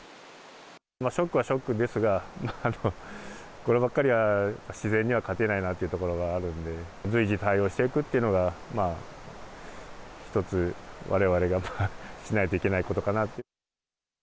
ショックはショックですが、まあ、こればっかりは自然には勝てないなというところがあるんで、随時、対応していくっていうのが一つ、われわれがしないといけないことかなと。